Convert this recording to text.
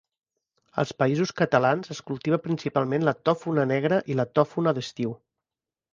Als Països Catalans es cultiva principalment la tòfona negra i la tòfona d'estiu.